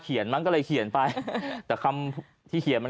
คุณธิชานุลภูริทัพธนกุลอายุ๓๔